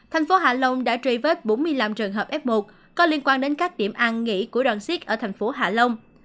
thành phố hạ long đã truy vết bốn mươi năm trường hợp f một có liên quan đến các điểm ăn nghỉ của đoàn siếc ở tp hạ long